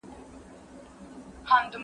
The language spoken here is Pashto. هغه د ټولنو په تکامل باور درلود.